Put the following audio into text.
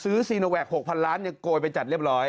ซื้อศีลเนาแหวก๖๐๐๐๐๐๐โกยไปจัดเรียบร้อย